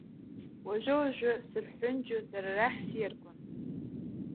Уажәы-уажәы сырҳәынҷо, дара рахь сиаргон.